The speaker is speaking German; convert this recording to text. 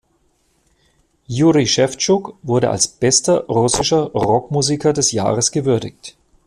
Juri Schewtschuk wurde als bester russischer Rockmusiker des Jahres gewürdigt.